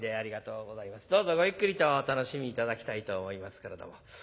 どうぞごゆっくりとお楽しみ頂きたいと思いますけれども。